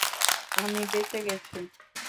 আমি বেচে গেছি।